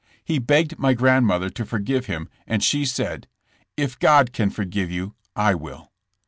He begged my grandmother to forgive him and she said :*' If God can forgive you, I will.